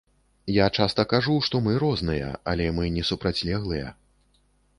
Я часта кажу, што мы розныя, але мы не супрацьлеглыя.